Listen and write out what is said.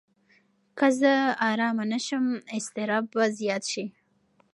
که زه ارامه نه شم، اضطراب به زیات شي.